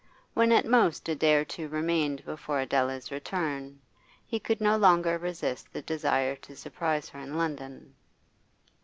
When at most a day or two remained before Adela's return, he could no longer resist the desire to surprise her in London.